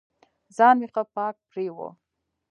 ځان مې ښه پاک پرېوه.